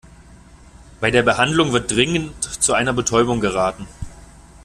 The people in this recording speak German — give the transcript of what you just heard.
Bei der Behandlung wird dringend zu einer Betäubung geraten.